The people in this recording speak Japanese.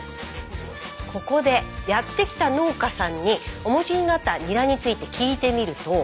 ここでやって来た農家さんにお持ちになったニラについて聞いてみると。